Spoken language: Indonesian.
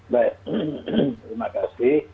baik terima kasih